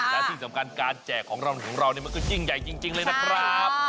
และที่สำคัญการแจกของเราของเรามันก็ยิ่งใหญ่จริงเลยนะครับ